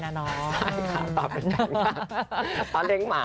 ใช่ค่ะตอนนั้นเป็นแฟนตอนเลี้ยงหมา